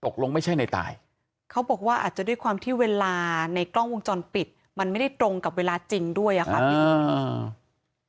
ไม่ใช่ในตายเขาบอกว่าอาจจะด้วยความที่เวลาในกล้องวงจรปิดมันไม่ได้ตรงกับเวลาจริงด้วยอะค่ะพี่อ่า